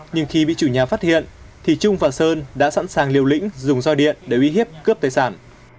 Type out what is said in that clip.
nhưng khi bị chủ nhà phát hiện thì trung và sơn đã sẵn sàng liều lĩnh dùng roi điện để uy hiếp cướp tài sản